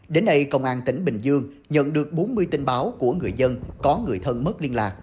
đến nay công an tỉnh bình dương nhận được bốn mươi tin báo của người dân có người thân mất liên lạc